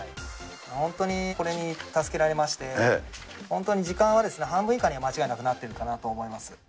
本当にこれに助けられまして、本当に時間は、半分以下には間違いなくなってるかなと思います。